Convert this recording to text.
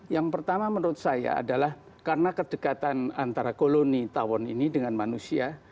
yang pertama menurut saya adalah karena kedekatan antara koloni tawon ini dengan manusia